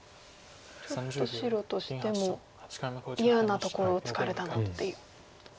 ちょっと白としても嫌なところをつかれたなっていう感じですか。